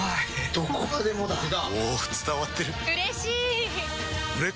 どこまでもだあ！